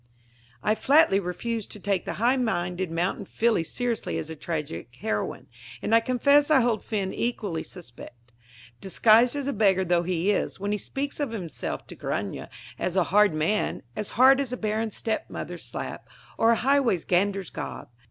I flatly refuse to take the high minded mountain filly seriously as a tragic heroine, and I confess I hold Finn equally suspect, disguised as a beggar though he is, when he speaks of himself to Grania as a hard man "as hard as a barren step mother's slap, or a highway gander's gob."